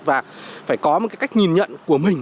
và phải có một cách nhìn nhận của mình